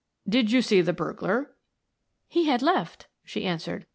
"Did you see the burglar?" "He had left," she answered.